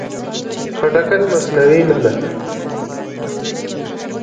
خټکی مصنوعي نه ده.